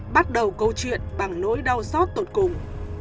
bắt đầu câu chuyện bằng nỗi đau xót tội cùng